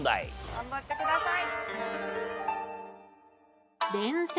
頑張ってください。